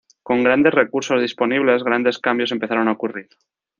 Con grandes recursos disponibles grandes cambios empezaron a ocurrir.